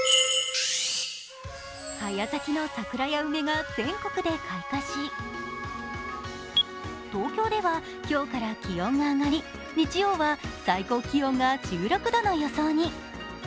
早咲きの桜や梅が全国で開花し、東京では今日から気温が上がり日曜は最高気温が１６度の予想に。